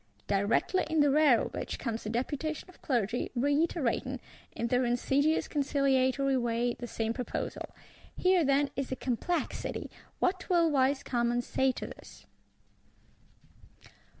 Directly in the rear of which comes a deputation of Clergy, reiterating, in their insidious conciliatory way, the same proposal. Here, then, is a complexity: what will wise Commons say to this?